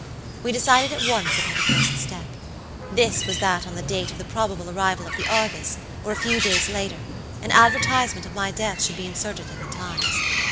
"We decided at once upon the first step. This was that on the date of the probable arrival of the Argus, or a few days later, an advertisement of my death should be inserted in the Times.